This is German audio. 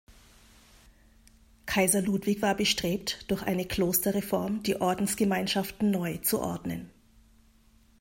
Kaiser Ludwig war bestrebt, durch eine Klosterreform die Ordensgemeinschaften neu zu ordnen.